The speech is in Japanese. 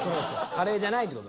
カレーじゃないって事？